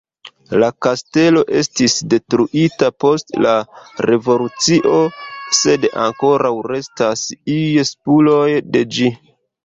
La kastelo estis detruita post la Revolucio, sed ankoraŭ restas iuj spuroj de ĝi.